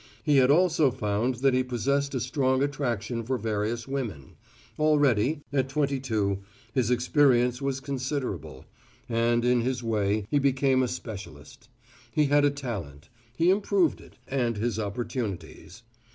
He had also found that he possessed a strong attraction for various women; already at twenty two his experience was considerable, and, in his way, he became a specialist. He had a talent; he improved it and his opportunities.